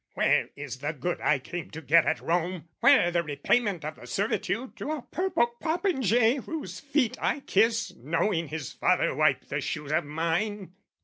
"Where is the good I came to get at Rome? "Where the repayment of the servitude "To a purple popinjay, whose feet I kiss, "Knowing his father wiped the shoes of mine?"